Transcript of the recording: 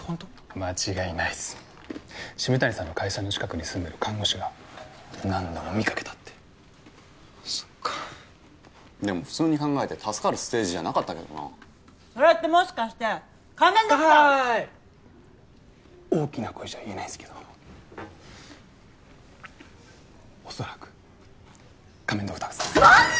間違いないっす渋谷さんの会社の近くに住んでる看護師が何度も見かけたってそっかでも普通に考えて助かるステージじゃなかったけどなそれってもしかして仮面ドクターははい大きな声じゃ言えないんすけど恐らく仮面ドクターズマジで！？